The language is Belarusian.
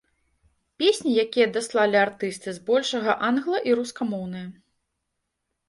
Песні, якія даслалі артысты, збольшага англа- і рускамоўныя.